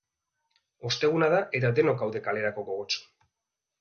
Osteguna da eta denok gaude kalerako gogotsu.